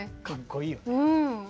かっこいいよね。